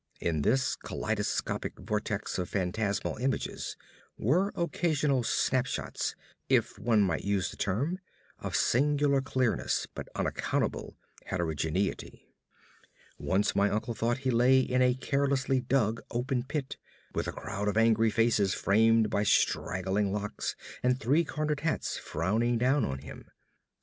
In this kaleidoscopic vortex of phantasmal images were occasional snap shots, if one might use the term, of singular clearness but unaccountable heterogeneity. Once my uncle thought he lay in a carelessly dug open pit, with a crowd of angry faces framed by straggling locks and three cornered hats frowning down on him.